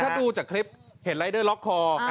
ถ้าดูจากคลิปเห็นรายเดอร์ล็อกคอ